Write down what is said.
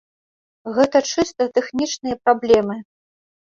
Гэта чыста тэхнічныя праблемы.